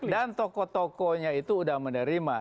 dan tokoh tokohnya itu sudah menerima